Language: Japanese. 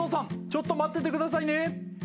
「ちょっと待っててくださいね」